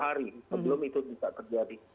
hari sebelum itu bisa terjadi